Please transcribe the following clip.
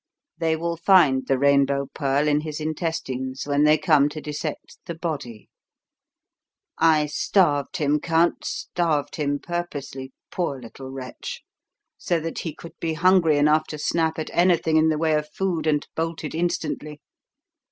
They will find the Rainbow Pearl in his intestines when they come to dissect the body. I starved him, Count starved him purposely, poor little wretch, so that he could be hungry enough to snap at anything in the way of food and bolt it instantly.